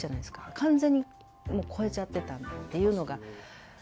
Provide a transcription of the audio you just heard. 完全に超えちゃってたっていうのが。